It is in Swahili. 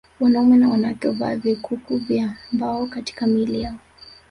Wanaume na wanawake huvaa vikuku vya mbao katika miili yao